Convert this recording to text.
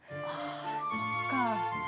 あそっか。